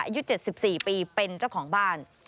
อายุ๗๔ปีเป็นเจ้าของบ้าน